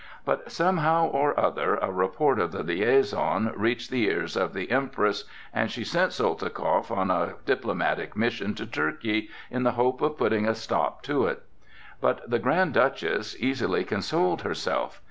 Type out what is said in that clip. But somehow or other a report of the liaison reached the ears of the Empress, and she sent Soltikoff on a diplomatic mission to Turkey in the hope of putting a stop to it. But the Grand Duchess easily consoled herself.